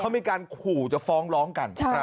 เขามีการขู่จะฟ้องร้องกัน